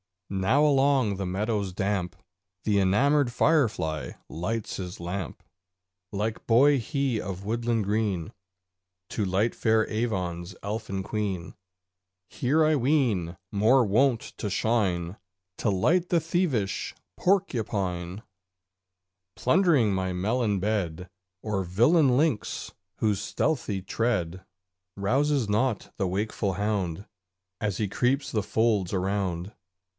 Now along the meadows damp The enamoured firefly lights his lamp. Link boy he of woodland green To light fair Avon's Elfin Queen; Here, I ween, more wont to shine To light the thievish porcupine, Plundering my melon bed, Or villain lynx, whose stealthy tread Rouses not the wakeful hound As he creeps the folds around.